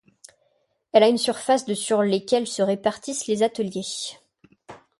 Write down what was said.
Elle a une surface de sur lesquels se répartissent les ateliers.